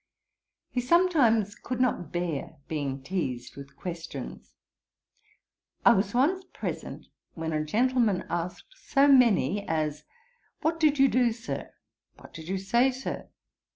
He sometimes could not bear being teazed with questions. I was once present when a gentleman asked so many as, 'What did you do, Sir?' 'What did you say, Sir?'